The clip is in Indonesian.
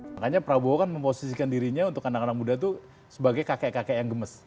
makanya prabowo kan memposisikan dirinya untuk anak anak muda itu sebagai kakek kakek yang gemes